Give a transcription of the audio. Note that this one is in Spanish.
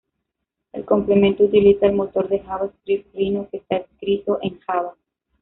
El complemento utiliza el motor de JavaScript Rhino, que está escrito en Java.